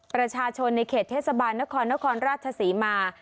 ประชาชนในเขตเทศบาลนครนครราชศรีมา